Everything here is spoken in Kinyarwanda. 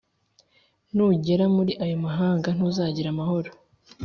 nugera muri ayo mahanga, ntuzagira amahoro+